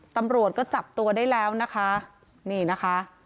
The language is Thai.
ตำรวจก็จับตัวได้แล้วนะคะนี่นะคะ